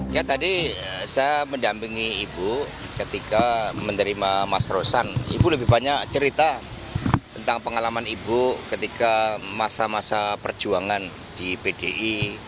ya tadi saya mendampingi ibu ketika menerima mas rosan ibu lebih banyak cerita tentang pengalaman ibu ketika masa masa perjuangan di pdi